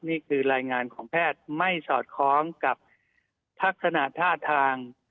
นี่คือรายงานของแพทย์ไม่สอดคล้องกับทักษณะท่าทาง